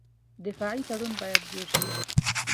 دفاعي تړون باید جوړ شي.